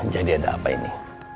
jadi ada apa ini